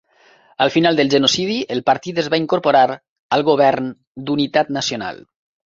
Al final del genocidi, el partit es va incorporar al govern d'unitat nacional.